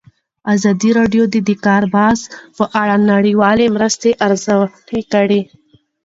ازادي راډیو د د کار بازار په اړه د نړیوالو مرستو ارزونه کړې.